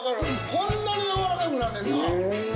こんなに軟らかくなんねんな！